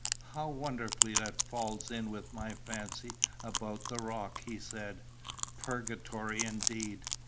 "How wonderfully that falls in with my fancy about the rock!" he said. "Purgatory indeed!